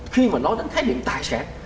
khi mà nói đến khái niệm tài sản